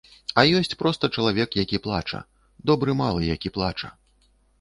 А ёсць проста чалавек, які плача, добры малы, які плача.